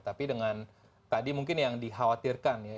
tapi dengan tadi mungkin yang dikhawatirkan ya